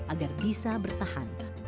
agar bisa bertahan